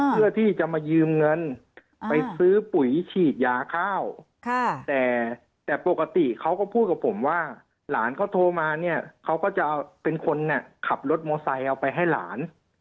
เพื่อที่จะมายืมเงินไปซื้อปุ๋ยฉีดยาข้าวแต่ปกติเขาก็พูดกับผมว่าหลานเขาโทรมาเนี่ยเขาก็จะเป็นคนขับรถมอไซค์เอาไปให้หลาน